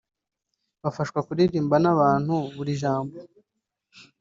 bafashwaga kuririmba n’abantu buri jambo